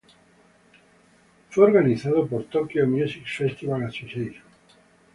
Fue organizado por "Tokyo Music Festival Association".